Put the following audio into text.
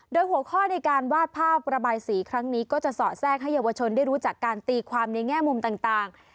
โดยหัวข้อในการวาดภาพระบายสีครั้งนี้ก็จะสอดแทรกให้เยาวชนได้รู้จักการตีความในแง่มุมต่าง